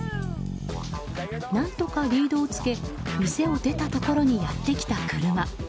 何とかリードを着け店を出たところにやってきた車。